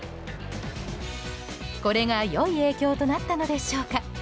これが良い影響となったのでしょうか。